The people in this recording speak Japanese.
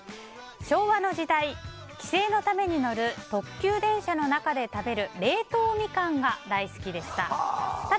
昭和の時代、帰省のために乗る特急電車の中で食べる冷凍ミカンが大好きでした。